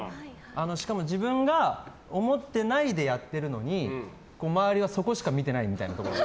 しかも自分が思ってないでやってるのに周りはそこしか見てないみたいな。